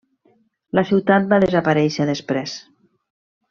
La ciutat va desaparèixer després.